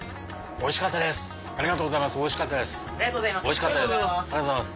おいしかったです。